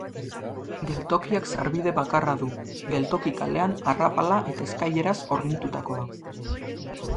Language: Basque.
Geltokiak sarbide bakarra du, Geltoki kalean arrapala eta eskaileraz hornitutakoa.